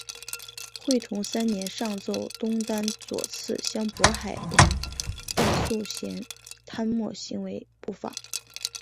会同三年上奏东丹左次相渤海人大素贤贪墨行为不法。